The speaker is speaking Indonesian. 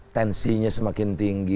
tensinya semakin tinggi